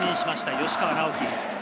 吉川尚輝